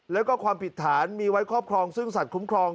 แล้วก็ความผิดฐานมีไว้ครอบครองซึ่งสัตว์คุ้มครอง